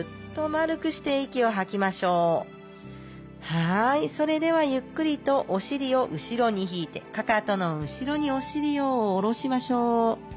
はいそれではゆっくりとお尻を後ろに引いてかかとの後ろにお尻を下ろしましょう。